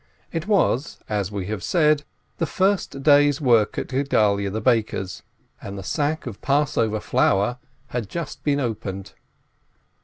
It was, as we have said, the first day's work at Gedalyeh the baker's, and the sack of Passover flour had AT THE MATZES 261 just been opened.